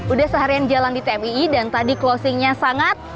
udah seharian jalan di tmii dan tadi closingnya sangat